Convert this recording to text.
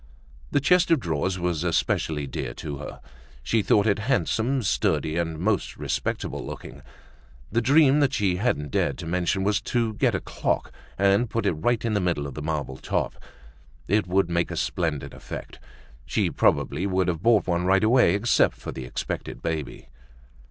The chest of drawers was especially dear to her. She thought it handsome, sturdy and most respectable looking. The dream that she hadn't dared to mention was to get a clock and put it right in the middle of the marble top. It would make a splendid effect. She probably would have bought one right away except for the expected baby.